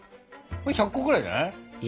１００個ぐらいじゃない？